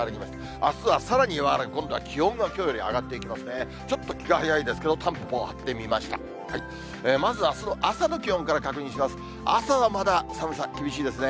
あすはさらに和らぐ、今度は気温がきょうより上がっていきますね。